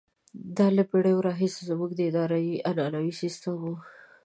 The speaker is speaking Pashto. دا له پېړیو راهیسې زموږ د ادارې عنعنوي سیستم وو.